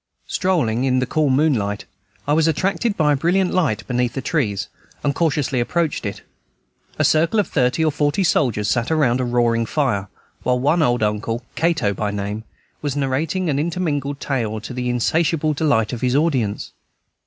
Strolling in the cool moonlight, I was attracted by a brilliant light beneath the trees, and cautiously approached it. A circle of thirty or forty soldiers sat around a roaring fire, while one old uncle, Cato by name, was narrating an interminable tale, to the insatiable delight of his audience.